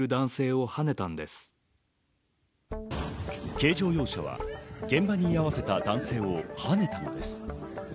軽乗用車は現場に居合わせた男性をはねたのです。